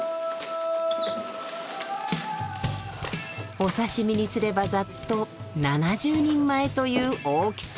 お刺身にすればざっと７０人前という大きさ。